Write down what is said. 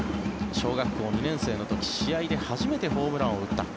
小学校２年生の時、試合で初めてホームランを打った。